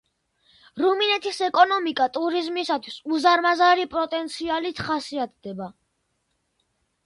რუმინეთის ეკონომიკა ტურიზმისათვის უზარმაზარი პოტენციალით ხასიათდება.